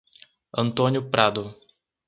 Antônio Prado